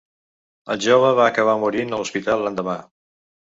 El jove va acabar morint a l’hospital l’endemà.